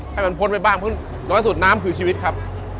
ให้มันพ้นไปบ้างเพราะน้อยสุดน้ำคือชีวิตครับ